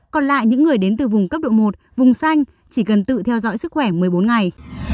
còn lại những người đến từ vùng cấp độ một vùng xanh chỉ cần tự theo dõi sức khỏe một mươi bốn ngày